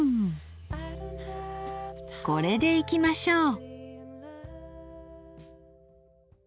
これでいきましょう。